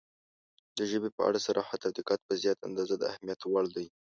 • د ژبې په اړه صراحت او دقت په زیاته اندازه د اهمیت وړ دی.